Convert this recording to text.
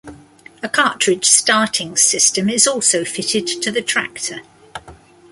A cartridge starting system is also fitted to the tractor.